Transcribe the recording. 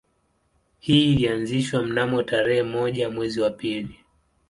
Hii ilianzishwa mnamo tarehe moja mwezi wa pili